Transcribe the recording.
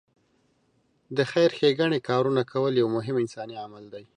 د خېر ښېګڼې کارونه کول یو مهم انساني عمل دی.